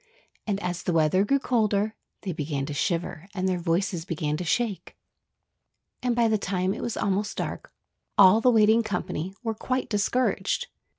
And as the weather grew colder, they began to shiver and their voices began to shake. And by the time it was almost dark all the waiting company were quite discouraged.